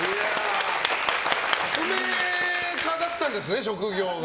革命家だったんですね、職業が。